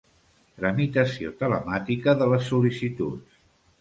Tramitació telemàtica de les sol·licituds.